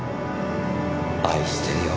愛してるよ。